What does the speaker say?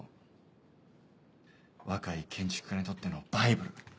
若い建築家にとってのバイブル。